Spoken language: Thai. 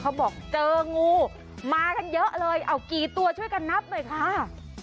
บอกเจองูมากันเยอะเลยเอากี่ตัวช่วยกันนับหน่อยค่ะ